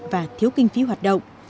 và thiếu kinh phí hoạt động